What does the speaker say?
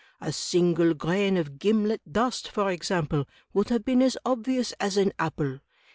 A single grain of gimlet dust, for ex ample, would have been as obvious as an apple.